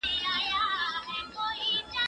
که وخت وي، ونې ته اوبه ورکوم؟